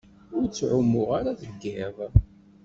Ur ttɛumuɣ ara deg iḍ.